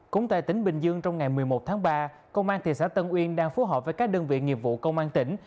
cũng tại tỉnh bình dương trong ngày một mươi một tháng ba công an thị xã tân uyên đang phối hợp với các đơn vị nghiệp vụ công an tỉnh